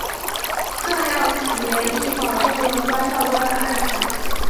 这样协议保证了端到端的安全。